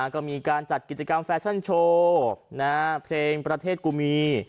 ก็มีการจัดกิจกรรมแฟชั่นโชว์เพลงประเทศกุมี